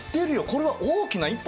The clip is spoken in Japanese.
これは大きな一歩だよ。